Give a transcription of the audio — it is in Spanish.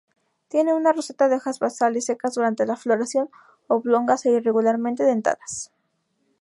Tiene una roseta de hojas basales, secas durante la floración, oblongas e irregularmente dentadas.